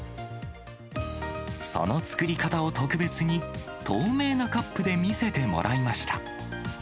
その作り方を特別に、透明なカップで見せてもらいました。